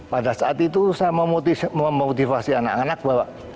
pada saat itu saya memotivasi anak anak bahwa